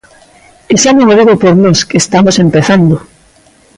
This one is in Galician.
E xa non o digo por nós, que estamos empezando.